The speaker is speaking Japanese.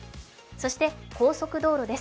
そして高速道路です。